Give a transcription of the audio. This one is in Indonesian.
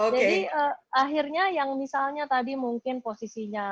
jadi akhirnya yang misalnya tadi mungkin posisinya